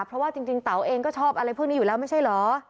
เพราะว่าจริงเต๋าเองก็ชอบอะไรพวกนี้อยู่แล้วไม่ใช่เหรอ